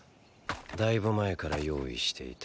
だいぶ前から用意していた。